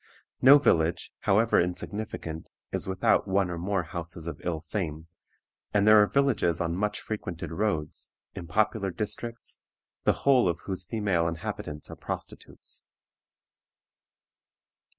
No village, however insignificant, is without one or more houses of ill fame, and there are villages on much frequented roads, in popular districts, the whole of whose female inhabitants are prostitutes.